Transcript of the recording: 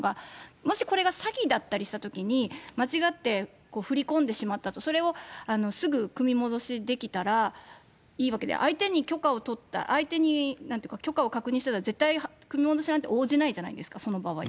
もしこれが詐欺だったりしたときに、間違って振り込んでしまったと、それをすぐ組み戻しできたらいいわけで、相手に許可を取った、相手に許可を確認したら、絶対組み戻しなんて応じないじゃないですか、その場合。